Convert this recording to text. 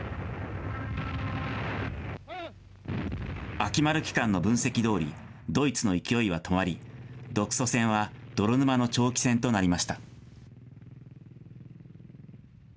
秋丸機関の分析どおり、ドイツの勢いは止まり、独ソ戦は泥沼の長期戦となりました。